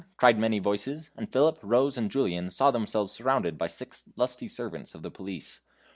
cried many voices, and Philip, Rose, and Julian saw themselves surrounded by six lusty servants of the police.